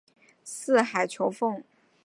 四海求凰。